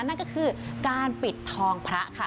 นั่นก็คือการปิดทองพระค่ะ